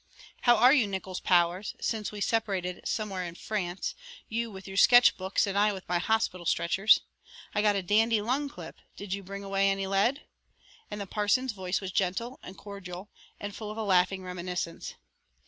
"How are you, Nickols Powers, since we separated 'somewhere in France,' you with your sketch books and I with my hospital stretchers? I got a dandy lung clip; did you bring away any lead?" And the parson's voice was gentle and cordial and full of a laughing reminiscence.